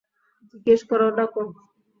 জিজ্ঞেস করো তাকে!